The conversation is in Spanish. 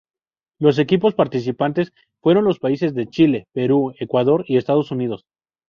Los equipos participantes fueron los países de Chile, Perú, Ecuador y Estados Unidos.